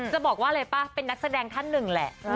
จะบอกว่าอะไรป่ะเป็นนักแสดงท่านหนึ่งแหละ